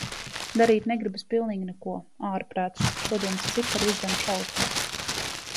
Darīt negribas pilnīgi neko. Ārprāts, šodienas cipari uzdzen šausmas.